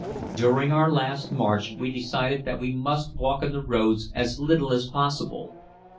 During our last march we decided that we must walk on the roads as little as possible.